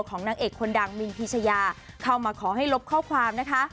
นางเอกคนดังมินพีชยาเข้ามาขอให้ลบข้อความนะคะ